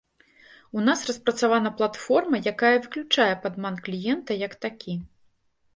У нас распрацавана платформа, якая выключае падман кліента як такі.